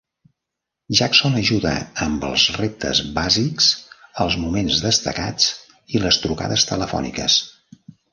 Jackson ajuda amb els reptes bàsics, els moments destacats i les trucades telefòniques.